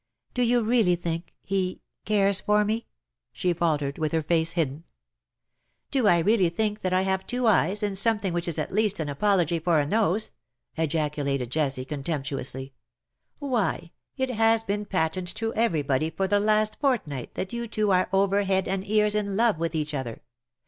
" Do you really think he — cares for me ?" she faltered, with her face hidden. "Do I really think that I have two eyes, and something which is at least an apology for a nose !" ejaculated Jessie, contemptuously. " Why, it has been patent to everybody for the last fortnight that you two are over head and ears in love with each other.